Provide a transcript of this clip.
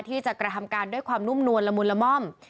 กระทำการด้วยความนุ่มนวลละมุนละม่อม